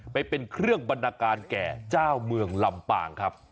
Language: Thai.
ไปเป็นเครื่องบรรดาการแก่เจ้าเมืองลำปางครับ